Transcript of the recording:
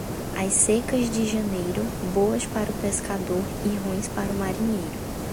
As secas de janeiro, boas para o pescador e ruins para o marinheiro.